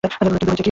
কিন্তু, হইছে কি?